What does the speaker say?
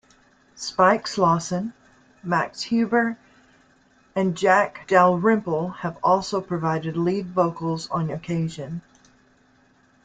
Spike Slawson, Max Huber and Jack Dalrymple have also provided lead vocals on occasion.